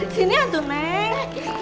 sini aduh neng